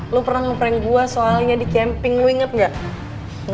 lo pernah nge prank gue soalnya di camping banget gak